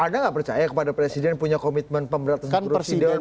ada nggak percaya kepada presiden punya komitmen pemberantasan ke presiden